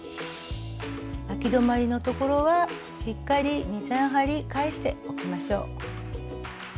あき止まりの所はしっかり２３針返しておきましょう。